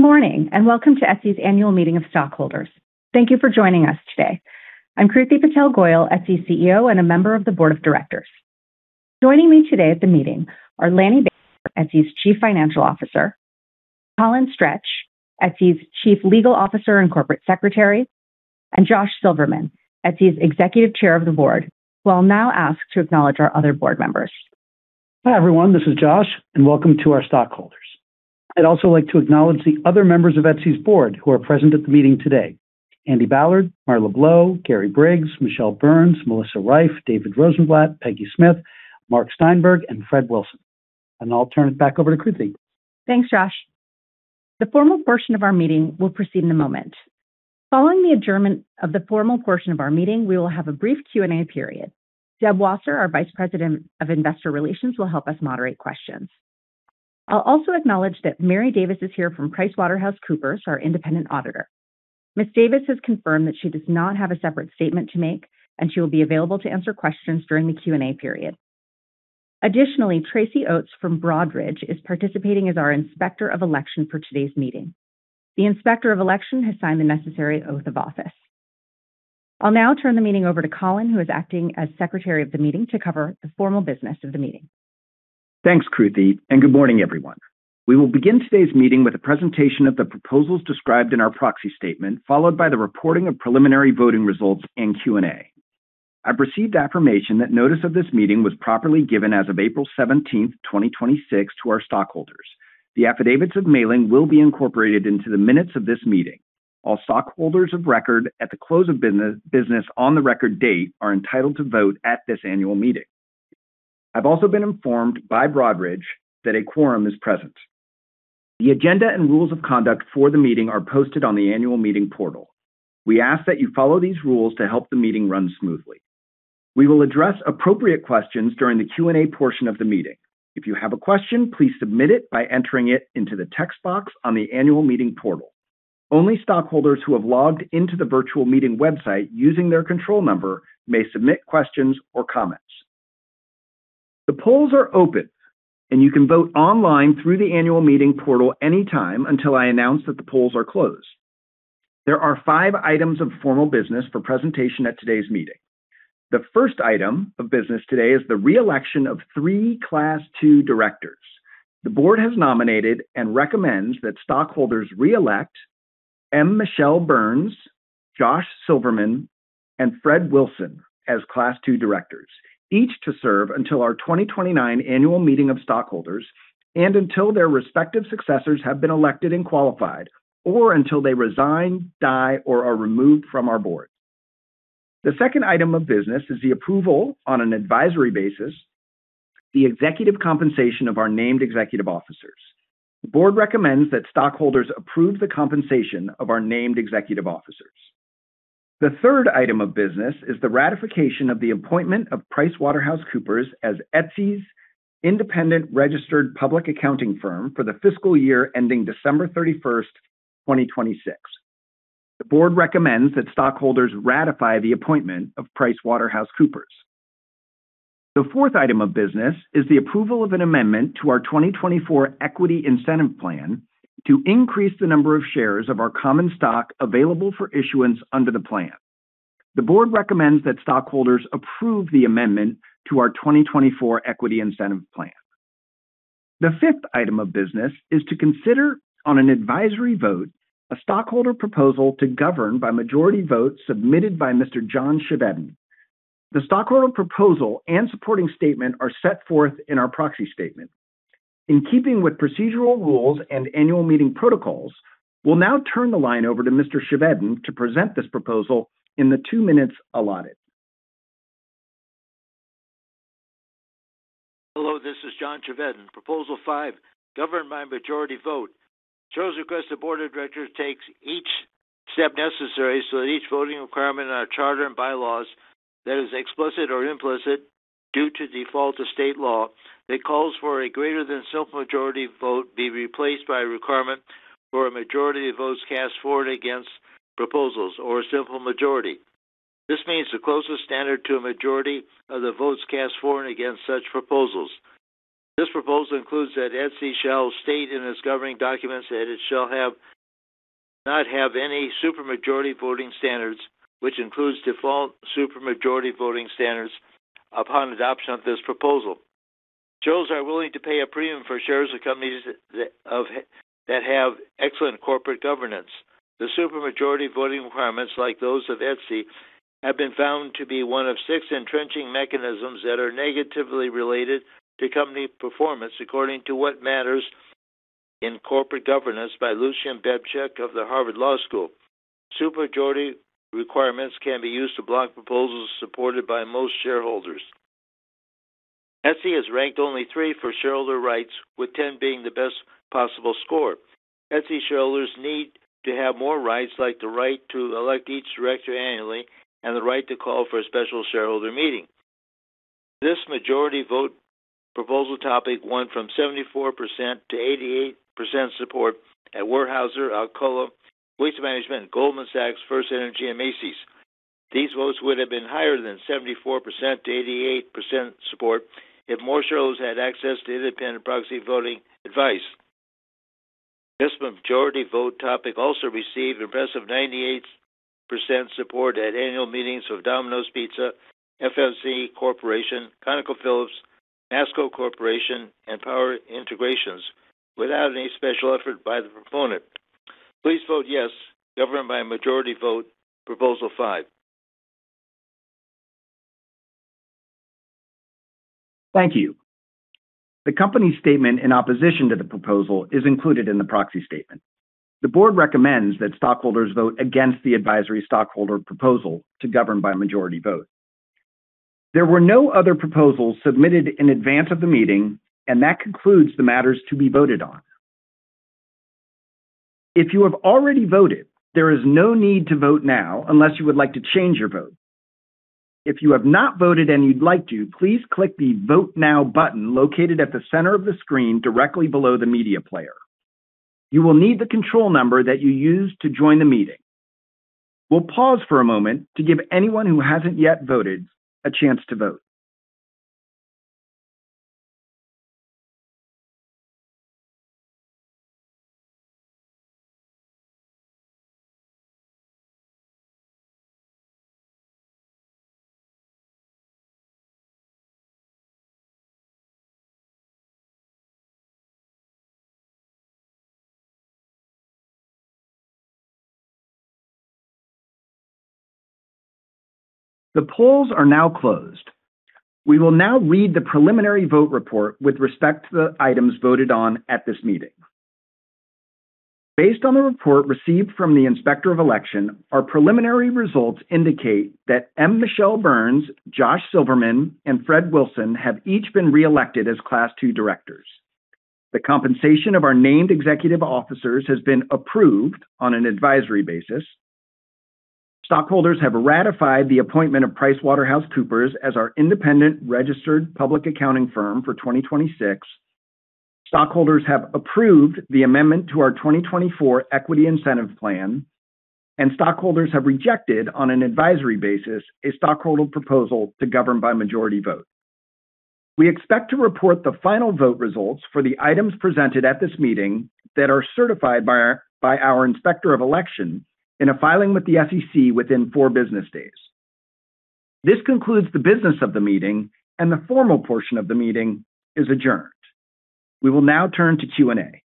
Good morning, welcome to Etsy's Annual Meeting of Stockholders. Thank you for joining us today. I'm Kruti Patel Goyal, Etsy's CEO, and a member of the Board of Directors. Joining me today at the meeting are Lanny Baker, Etsy's Chief Financial Officer, Colin Stretch, Etsy's Chief Legal Officer and Corporate Secretary, and Josh Silverman, Etsy's Executive Chair of the Board, who I'll now ask to acknowledge our other Board members. Hi, everyone. This is Josh, welcome to our stockholders. I'd also like to acknowledge the other members of Etsy's Board who are present at the meeting today: Andy Ballard, Marla Blow, Gary Briggs, Michele Burns, Melissa Reiff, David Rosenblatt, Peggy Smyth, Marc Steinberg, and Fred Wilson. I'll turn it back over to Kruti. Thanks, Josh. The formal portion of our meeting will proceed in a moment. Following the adjournment of the formal portion of our meeting, we will have a brief Q&A period. Deb Wasser, our Vice President of Investor Relations, will help us moderate questions. I'll also acknowledge that Mary Davis is here from PricewaterhouseCoopers, our independent auditor. Ms. Davis has confirmed that she does not have a separate statement to make, and she will be available to answer questions during the Q&A period. Additionally, Tracy Oates from Broadridge is participating as our Inspector of Election for today's meeting. The Inspector of Election has signed the necessary oath of office. I'll now turn the meeting over to Colin, who is acting as Secretary of the meeting, to cover the formal business of the meeting. Thanks, Kruti, and good morning, everyone. We will begin today's meeting with a presentation of the proposals described in our Proxy Statement, followed by the reporting of preliminary voting results and Q&A. I've received affirmation that notice of this meeting was properly given as of April 17th, 2026, to our stockholders. The affidavits of mailing will be incorporated into the minutes of this meeting. All stockholders of record at the close of business on the record date are entitled to vote at this annual meeting. I've also been informed by Broadridge that a quorum is present. The agenda and rules of conduct for the meeting are posted on the annual meeting portal. We ask that you follow these rules to help the meeting run smoothly. We will address appropriate questions during the Q&A portion of the meeting. If you have a question, please submit it by entering it into the text box on the annual meeting portal. Only stockholders who have logged into the virtual meeting website using their control number may submit questions or comments. The polls are open, and you can vote online through the annual meeting portal anytime until I announce that the polls are closed. There are five items of formal business for presentation at today's meeting. The first item of business today is the re-election of three Class II directors. The board has nominated and recommends that stockholders re-elect M. Michele Burns, Josh Silverman, and Fred Wilson as Class II directors, each to serve until our 2029 annual meeting of stockholders and until their respective successors have been elected and qualified, or until they resign, die, or are removed from our board. The second item of business is the approval on an advisory basis, the executive compensation of our named executive officers. The board recommends that stockholders approve the compensation of our named executive officers. The third item of business is the ratification of the appointment of PricewaterhouseCoopers as Etsy's independent registered public accounting firm for the fiscal year ending December 31st, 2026. The board recommends that stockholders ratify the appointment of PricewaterhouseCoopers. The fourth item of business is the approval of an amendment to our 2024 Equity Incentive Plan to increase the number of shares of our common stock available for issuance under the plan. The board recommends that stockholders approve the amendment to our 2024 Equity Incentive Plan. The fifth item of business is to consider, on an advisory vote, a stockholder proposal to govern by majority vote submitted by Mr. John Chevedden. The stockholder proposal and supporting statement are set forth in our proxy statement. In keeping with procedural rules and annual meeting protocols, we'll now turn the line over to Mr. Chevedden to present this proposal in the two minutes allotted. Hello, this is John Chevedden. Proposal 5, govern by majority vote. Shares request the board of directors takes each step necessary so that each voting requirement in our charter and bylaws that is explicit or implicit due to default of state law that calls for a greater than simple majority vote be replaced by a requirement for a majority of votes cast for and against proposals or a simple majority. This means the closest standard to a majority of the votes cast for and against such proposals. This proposal includes that Etsy shall state in its governing documents that it shall not have any supermajority voting standards, which includes default supermajority voting standards upon adoption of this proposal. Shares are willing to pay a premium for shares of companies that have excellent corporate governance. The supermajority voting requirements, like those of Etsy, have been found to be one of six entrenching mechanisms that are negatively related to company performance, according to What Matters in Corporate Governance by Lucian Bebchuk of the Harvard Law School. Supermajority requirements can be used to block proposals supported by most shareholders. Etsy has ranked only three for shareholder rights, with 10 being the best possible score. Etsy shareholders need to have more rights, like the right to elect each director annually and the right to call for a special shareholder meeting. This majority vote proposal topic won from 74%-88% support at Weyerhaeuser, Alcoa, Waste Management, Goldman Sachs, FirstEnergy, and Macy's. These votes would have been higher than 74%-88% support if more shareholders had access to independent proxy voting advice. This majority vote topic also received impressive 98% support at annual meetings of Domino's Pizza, FMC Corporation, ConocoPhillips, Masco Corporation, and Power Integrations without any special effort by the proponent. Please vote yes, governed by a majority vote, Proposal 5. Thank you. The company statement in opposition to the proposal is included in the Proxy Statement. The board recommends that stockholders vote against the advisory stockholder proposal to govern by majority vote. There were no other proposals submitted in advance of the meeting, that concludes the matters to be voted on. If you have already voted, there is no need to vote now unless you would like to change your vote. If you have not voted and you'd like to, please click the Vote Now button located at the center of the screen directly below the media player. You will need the control number that you used to join the meeting. We'll pause for a moment to give anyone who hasn't yet voted a chance to vote. The polls are now closed. We will now read the preliminary vote report with respect to the items voted on at this meeting. Based on the report received from the Inspector of Election, our preliminary results indicate that M. Michele Burns, Josh Silverman, and Fred Wilson have each been reelected as Class II directors. The compensation of our named executive officers has been approved on an advisory basis. Stockholders have ratified the appointment of PricewaterhouseCoopers as our independent registered public accounting firm for 2026. Stockholders have approved the amendment to our 2024 Equity Incentive Plan, and stockholders have rejected, on an advisory basis, a stockholder proposal to govern by majority vote. We expect to report the final vote results for the items presented at this meeting that are certified by our Inspector of Election in a filing with the SEC within four business days. This concludes the business of the meeting, the formal portion of the meeting is adjourned. We will now turn to Q&A.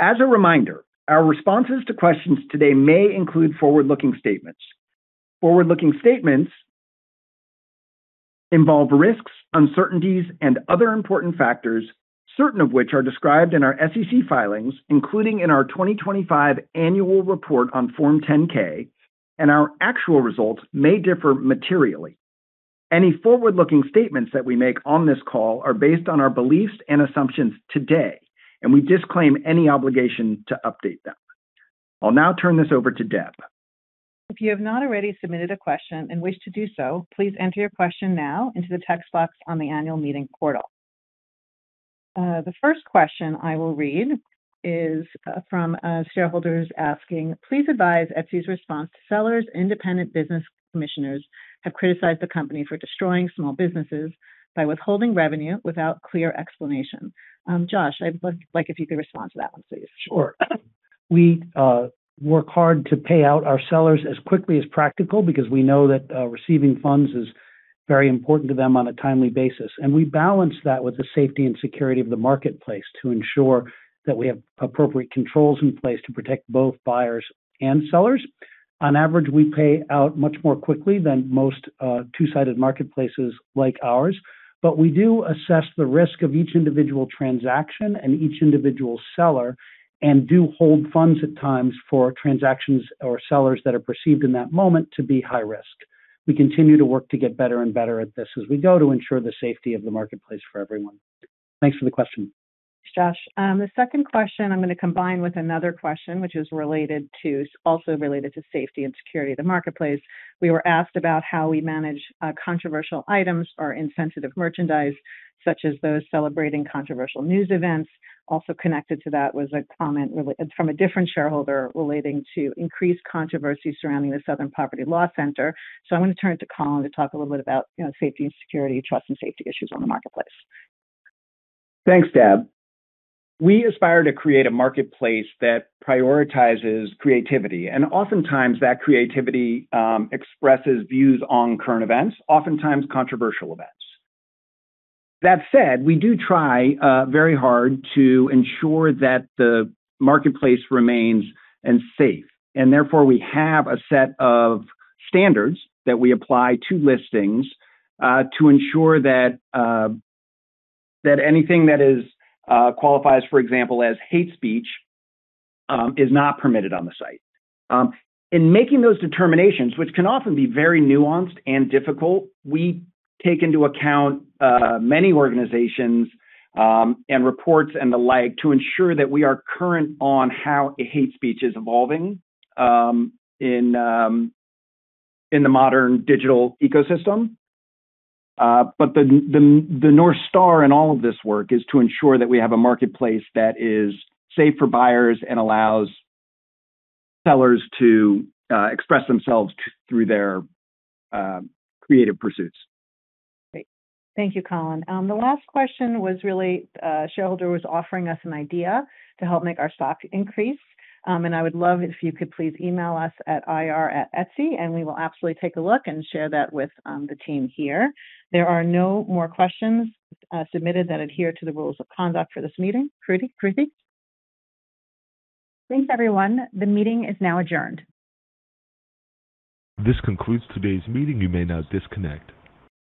As a reminder, our responses to questions today may include forward-looking statements. Forward-looking statements involve risks, uncertainties, and other important factors, certain of which are described in our SEC filings, including in our 2025 annual report on Form 10-K, and our actual results may differ materially. Any forward-looking statements that we make on this call are based on our beliefs and assumptions today, we disclaim any obligation to update them. I'll now turn this over to Deb. If you have not already submitted a question and wish to do so, please enter your question now into the text box on the annual meeting portal. The first question I will read is from a shareholder who's asking, "Please advise Etsy's response to sellers. Independent business commissioners have criticized the company for destroying small businesses by withholding revenue without clear explanation." Josh, I would like if you could respond to that one, please. Sure. We work hard to pay out our sellers as quickly as practical because we know that receiving funds is very important to them on a timely basis, we balance that with the safety and security of the marketplace to ensure that we have appropriate controls in place to protect both buyers and sellers. On average, we pay out much more quickly than most two-sided marketplaces like ours. We do assess the risk of each individual transaction and each individual seller and do hold funds at times for transactions or sellers that are perceived in that moment to be high risk. We continue to work to get better and better at this as we go to ensure the safety of the marketplace for everyone. Thanks for the question. Thanks, Josh. The second question I'm going to combine with another question, which is also related to safety and security of the marketplace. We were asked about how we manage controversial items or insensitive merchandise, such as those celebrating controversial news events. Also connected to that was a comment from a different shareholder relating to increased controversy surrounding the Southern Poverty Law Center. I'm going to turn it to Colin to talk a little bit about safety and security, trust and safety issues on the marketplace. Thanks, Deb. We aspire to create a marketplace that prioritizes creativity, and oftentimes that creativity expresses views on current events, oftentimes controversial events. That said, we do try very hard to ensure that the marketplace remains safe, and therefore, we have a set of standards that we apply to listings to ensure that anything that qualifies, for example, as hate speech is not permitted on the site. In making those determinations, which can often be very nuanced and difficult, we take into account many organizations and reports and the like to ensure that we are current on how hate speech is evolving in the modern digital ecosystem. The North Star in all of this work is to ensure that we have a marketplace that is safe for buyers and allows sellers to express themselves through their creative pursuits. Great. Thank you, Colin. The last question was really a shareholder was offering us an idea to help make our stock increase, and I would love if you could please email us at ir@etsy.com, and we will absolutely take a look and share that with the team here. There are no more questions submitted that adhere to the rules of conduct for this meeting. Kruti? Thanks, everyone. The meeting is now adjourned. This concludes today's meeting. You may now disconnect.